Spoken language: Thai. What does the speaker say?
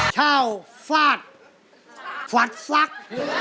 เช่าฟาดฟัดฟัก